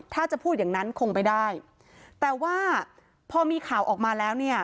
ถ้าจะพูดอย่างนั้นคงไม่ได้แต่ว่าพอมีข่าวออกมาแล้วเนี่ย